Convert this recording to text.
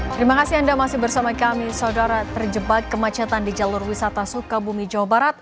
terima kasih anda masih bersama kami saudara terjebak kemacetan di jalur wisata sukabumi jawa barat